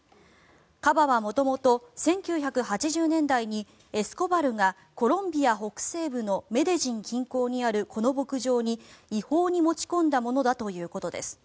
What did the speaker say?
カバは元々１９８０年代にエスコバルがコロンビア北西部のメデジン近郊にあるこの牧場に違法に持ち込んだものだということです。